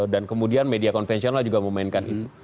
dan kemudian media konvensional juga memainkan itu